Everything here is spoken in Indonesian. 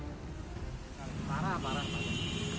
parah parah parah